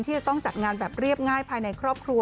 จะต้องจัดงานแบบเรียบง่ายภายในครอบครัว